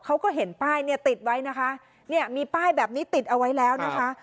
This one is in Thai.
เขาก็เห็นป้ายเนี่ยติดไว้นะคะเนี่ยมีป้ายแบบนี้ติดเอาไว้แล้วนะคะ